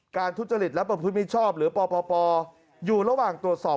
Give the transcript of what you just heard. ทุจริตและประพฤติมิชชอบหรือปปอยู่ระหว่างตรวจสอบ